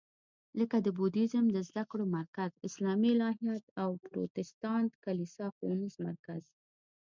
لکه د بودیزم د زده کړو مرکز، اسلامي الهیات او پروتستانت کلیسا ښوونیز مرکز.